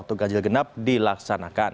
menurut wakil kepala dishub dki sigit wijatmoko